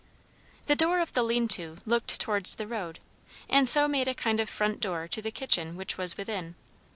The door of the lean to looked towards the road, and so made a kind of front door to the kitchen which was within.